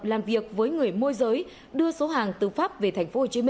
làm việc với người môi giới đưa số hàng tư pháp về tp hcm